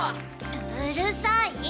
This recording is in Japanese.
うるさい！